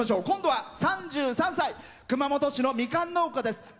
今度は３３歳熊本市のみかん農家です。